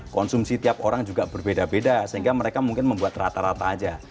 konsumsi tiap orang juga berbeda beda sehingga mereka mungkin membuat rata rata aja